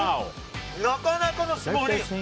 なかなかの霜降り！